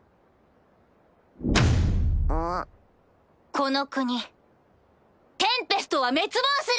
この国テンペストは滅亡する！